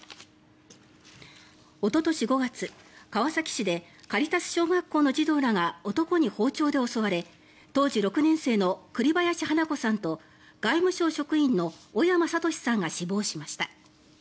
おととし５月、川崎市でカリタス小学校の児童らが男に包丁で襲われ当時６年生の栗林華子さんと外務省職員の小山智史さんが死亡しました。